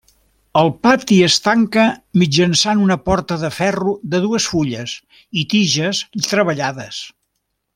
El pati es tanca mitjançant una porta de ferro de dues fulles i tiges treballades.